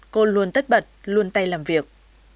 cô luôn tất bật luôn tay làm việc